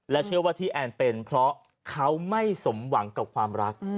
เชื่อว่าที่แอนเป็นเพราะเขาไม่สมหวังกับความรัก